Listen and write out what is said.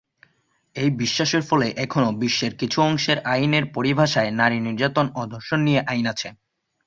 এই বিশ্বাসের ফলে এখনও বিশ্বের কিছু অংশের আইনের পরিভাষায় নারী নির্যাতন ও ধর্ষণ নিয়ে আইন আছে।